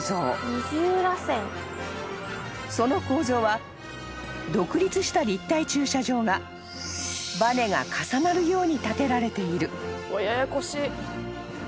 ［その構造は独立した立体駐車場がばねが重なるように建てられている］